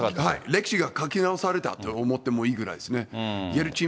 歴史が書き直されたと思ってもいいですね。